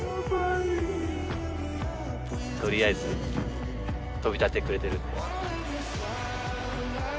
取りあえず飛び立ってくれてるんで。